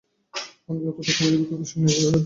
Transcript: মানুষ যত দক্ষিণে যাবে, ততো সে নিরাপদে থাকবে।